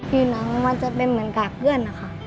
ผิวหนังมันจะเป็นเหมือนกับเพื่อนนะคะ